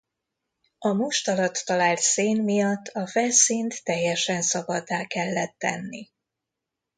A Most alatt talált szén miatt a felszínt teljesen szabaddá kellett tenni.